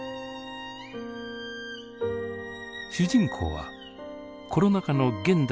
主人公はコロナ禍の現代